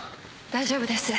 大丈夫です。